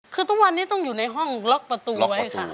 คือทุกวันนี้ต้องอยู่ในห้องล็อกประตูไว้ค่ะ